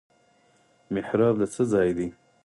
محراب د څه ځای دی؟